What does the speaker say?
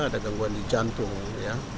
ada gangguan di jantung ya